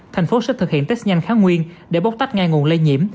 thành phố sẽ thực hiện test nhanh kháng nguyên để bóc tách ngay nguồn lây nhiễm